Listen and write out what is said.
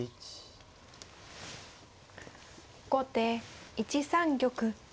後手１三玉。